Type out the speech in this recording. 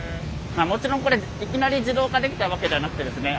もちろんこれいきなり自動化できたわけではなくてですね